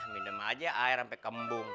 minum aja air sampai kembung